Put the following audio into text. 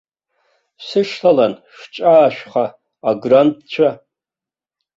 Шәсышьҭалан шәҿаашәха, аграндцәа!